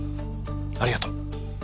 ありがとう！